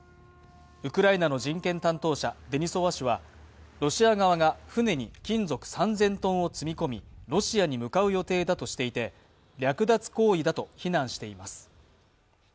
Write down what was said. ウクライナの人権担当者、デニソワ氏はロシア側が船に金属３０００ｔを積み込み、ロシアに向かう予定だとしていて略奪行為だと非難しています。